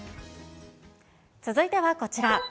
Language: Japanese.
続いてはこちら。